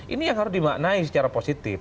ini yang harus dimaknai secara positif